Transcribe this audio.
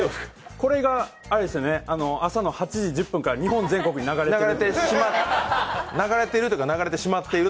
これが朝の８時１０分から日本全国に流れている。